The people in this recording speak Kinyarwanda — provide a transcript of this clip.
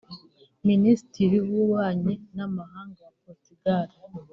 Minisitiri w’Ububanyi n’Amahanga wa Portugal